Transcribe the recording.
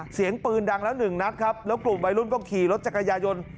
เสียงปืนดังแล้วหนึ่งนัดครับแล้วกลุ่มวัยรุ่นก็ขี่รถจักรยายน